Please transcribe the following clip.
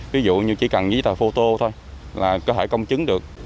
ví dụ như chỉ cần giấy tờ phô tô thôi là có thể công chứng được